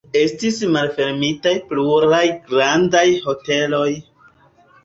Estis malfermitaj pluraj grandaj hoteloj.